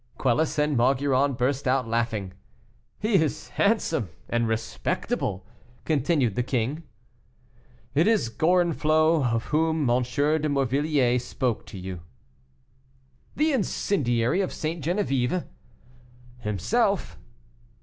Quelus and Maugiron burst out laughing. "He is handsome and respectable," continued the king. "It is Gorenflot, of whom M. de Morvilliers spoke to you." "The incendiary of St. Geneviève?" "Himself!"